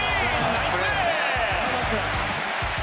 ナイスプレー！